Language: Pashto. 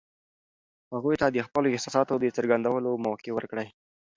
هغوی ته د خپلو احساساتو د څرګندولو موقع ورکړئ.